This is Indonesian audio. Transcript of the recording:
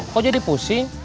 kok jadi pusing